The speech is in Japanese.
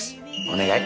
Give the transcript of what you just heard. お願い！